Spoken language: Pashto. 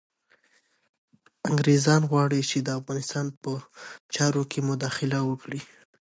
انګریزان غواړي چي د افغانستان په چارو کي مداخله وکړي.